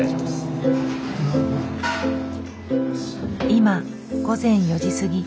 今午前４時過ぎ。